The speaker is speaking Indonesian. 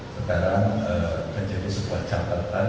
sekarang menjadi sebuah catatan